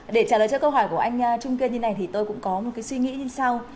để trả lời cho câu hỏi của anh trung kiên như này thì tôi cũng có một cái suy nghĩ như sau